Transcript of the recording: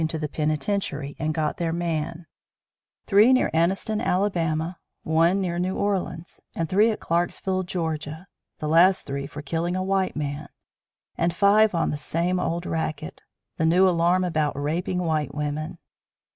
into the penitentiary and got their man; three near Anniston, Ala., one near New Orleans; and three at Clarksville, Ga., the last three for killing a white man, and five on the same old racket the new alarm about raping white women.